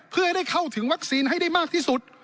เพื่อให้ได้เข้าถึงวัคซีนให้ได้มากที่สุด